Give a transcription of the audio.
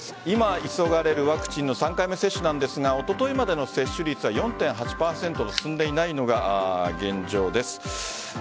今、急がれるワクチンの３回目接種なんですがおとといまでの接種率は４．８％と進んでいないのが現状です。